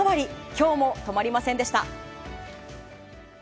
今日も、止まりませんでした。